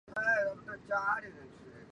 明日书数语于堂侧壁间绝高处。